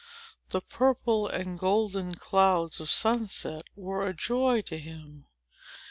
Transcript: The purple and golden clouds of sunset were a joy to him.